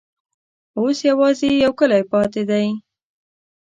اوس یوازي یو کلی پاته دی.